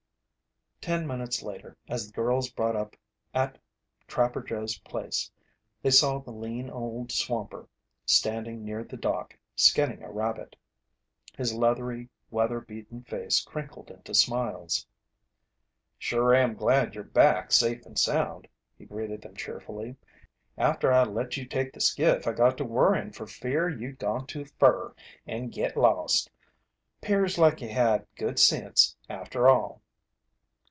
Ten minutes later, as the girls brought up at Trapper Joe's place, they saw the lean old swamper standing near the dock, skinning a rabbit. His leathery, weather beaten face crinkled into smiles. "Sure am glad yer back safe an sound," he greeted them cheerfully. "After I let you take the skiff I got to worryin' fer fear you'd go too fur and git lost. 'Pears like you had good sense after all."